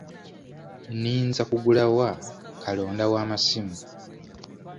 Nninza kugula wa kalonda w'amasimu?